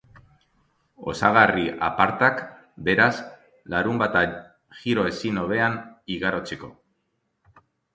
Osagarri apartak, beraz, larunbata giro ezin hobean igarotzeko.